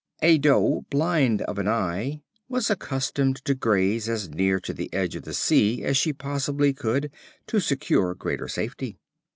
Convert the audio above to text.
A Doe, blind of an eye, was accustomed to graze as near to the edge of the sea as she possibly could, to secure greater safety.